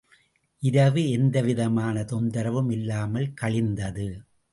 இரவு எந்தவிதமான தொந்தரவும் இல்லாமல் கழிந்தது.